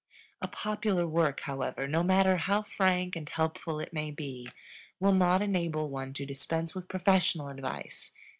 A popular work, however, no matter how frank and helpful it may be, will not enable one to dispense with professional advice.